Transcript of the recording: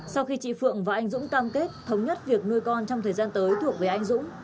sau khi chị phượng và anh dũng cam kết thống nhất việc nuôi con trong thời gian tới thuộc về anh dũng